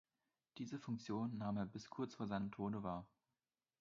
Diese Funktion nahm er bis kurz vor seinem Tode wahr.